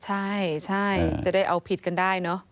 ใช่จะได้เอาผิดกันได้เนอะ